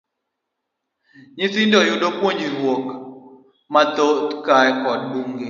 Nyithindo yudo puonj mar dhok kod buge.